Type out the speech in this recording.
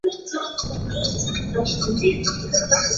The flag itself is a yellow band above a red one.